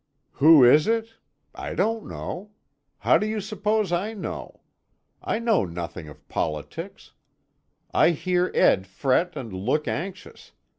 "Who is it? I don't know. How do you suppose I know? I know nothing of politics. I hear Ed fret and look anxious.